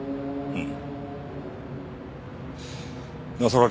うん。